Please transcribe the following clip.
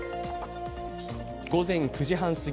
午前９時半すぎ